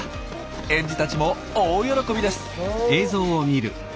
園児たちも大喜びです。